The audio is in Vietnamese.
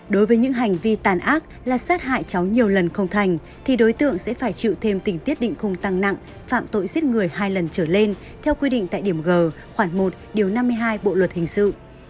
đối với những hành vi tàn ác là sát hại cháu nhiều lần không thành thì đối tượng sẽ phải chịu thêm tình tiết định không tăng nặng phạm tội giết người hai lần trở lên theo quy định tại điểm g khoảng một điều năm mươi hai bộ luật hình sự